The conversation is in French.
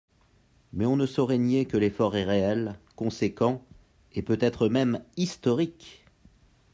Mais on ne saurait nier que l’effort est réel, conséquent et peut-être même historique.